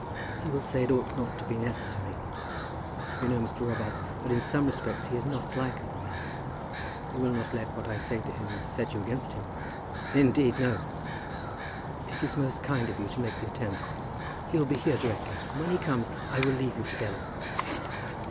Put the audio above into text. "He will say it ought not to be necessary. You know, Mr. Robarts, that in some respects he is not like other men. You will not let what I say of him set you against him?" "Indeed, no." "It is most kind of you to make the attempt. He will be here directly, and when he comes I will leave you together."